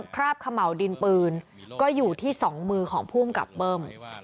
คราบขะเหมาดินปืนก็อยู่ที่สองมือของผู้มกับเปิ้ม